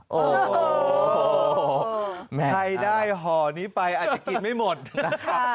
โอ้โหใครได้ห่อนี้ไปอาจจะกินไม่หมดนะคะ